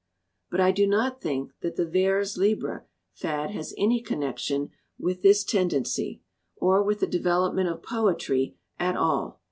"But I do not think that the vers libre fad has any connection with this tendency, or with the development of poetry at all.